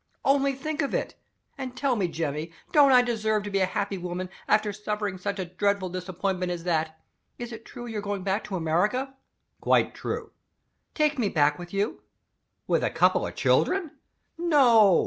Only think of it! And tell me, Jemmy, don't I deserve to be a happy woman, after suffering such a dreadful disappointment as that? Is it true that you're going back to America?" "Quite true." "Take me back with you." "With a couple of children?" "No.